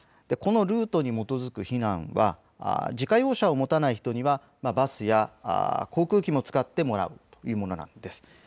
このルートに基づく避難は自家用車を持たない人にはバスや航空機も使ってもらうというものなんです。